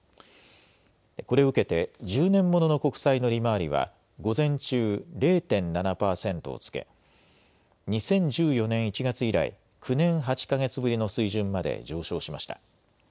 これを受けて１０年ものの国債の利回りは午前中、０．７％をつけ２０１４年１月以来、９年８か月ぶりの水準まで上昇しました。